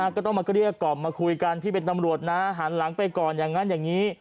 ก็ต้องมาเกลี้ยกล่อมมาคุยกันพี่เป็นตำรวจนะหันหลังไปก่อนอย่างนั้นอย่างนี้